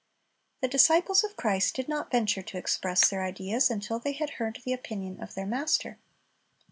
The disciples of Christ did not venture to express their ideas until they had heard the opinion of their Master.